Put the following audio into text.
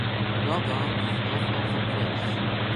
London is north of the village.